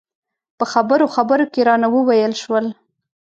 په خبرو خبرو کې رانه وویل شول.